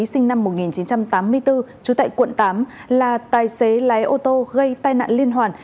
sinh năm một nghìn chín trăm tám mươi bốn trú tại quận tám là tài xế lái ô tô gây tai nạn liên hoàn